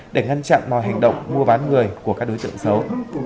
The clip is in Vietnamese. để ngăn chặn mọi hành động mua bán người của các đối tượng xấu